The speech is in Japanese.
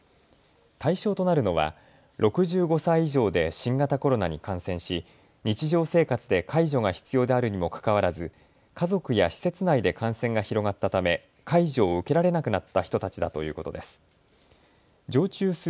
対象となるのは６５歳以上で新型コロナに感染し日常生活で介助が必要であるにもかかわらず家族や施設内で感染が広がったため介助を受けられなくなった人たちだということです。